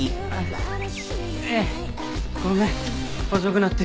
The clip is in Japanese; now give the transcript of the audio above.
ごめん遅くなって。